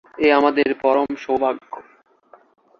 এ আমাদের পরম সৌভাগ্য।